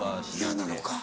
嫌なのか。